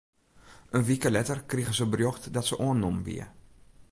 In wike letter krige se berjocht dat se oannommen wie.